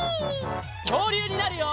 きょうりゅうになるよ！